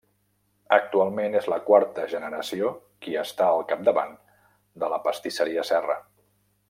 Actualment és la quarta generació qui està al capdavant de la Pastisseria Serra.